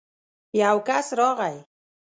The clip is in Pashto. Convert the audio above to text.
يو کس راغی.